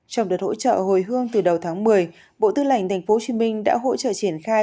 trong đợt hỗ trợ hồi hương từ đầu tháng một mươi bộ tư lệnh tp hcm đã hỗ trợ triển khai